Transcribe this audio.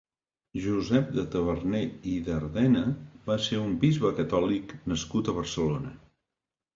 Josep de Taverner i d'Ardena va ser un bisbe catòlic nascut a Barcelona.